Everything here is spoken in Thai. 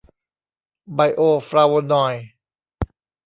ไบโอฟลาโวนอยด์